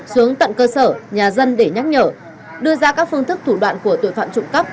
xuống tận cơ sở nhà dân để nhắc nhở đưa ra các phương thức thủ đoạn của tội phạm trộm cắp